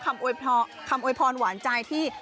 ก็ก็คำอวยพรวันใจที่